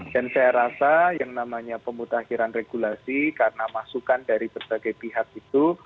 dan saya rasa yang namanya pemutakhiran regulasi karena masukan dari berbagai pihak itu